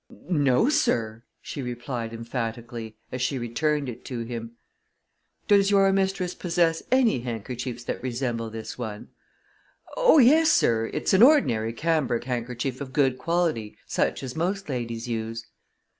"No, sir!" she replied emphatically, as she returned it to him. "Does your mistress possess any handkerchiefs that resemble this one?" "Oh, yes, sir; it's an ordinary cambric handkerchief of good quality such as most ladies use."